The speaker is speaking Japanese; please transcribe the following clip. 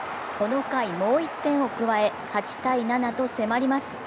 この回もう１点を加え、８−７と迫ります。